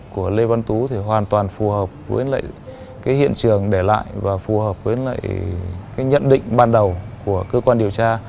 của lê văn tú thì hoàn toàn phù hợp với hiện trường để lại và phù hợp với nhận định ban đầu của cơ quan điều tra